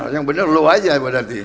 yang benar low aja berarti